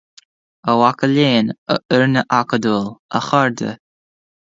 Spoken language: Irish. A mhaca léinn, a fhoirne acadúil, a chairde,